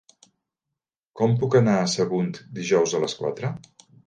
Com puc anar a Sagunt dijous a les quatre?